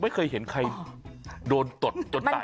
ไม่เคยเห็นใครโดนตดจนตาย